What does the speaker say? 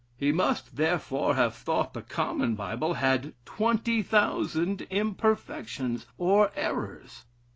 He must, therefore, have thought the common Bible had twenty thousand imperfections or errors.